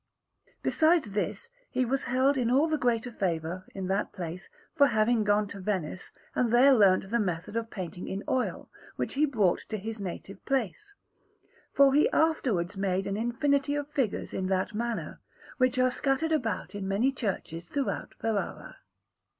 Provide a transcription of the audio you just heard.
Besides this, he was held in all the greater favour in that place for having gone to Venice and there learnt the method of painting in oil, which he brought to his native place, for he afterwards made an infinity of figures in that manner, which are scattered about in many churches throughout Ferrara.